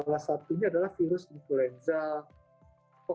penyebabnya adalah virus yang menyebabkan penyebabnya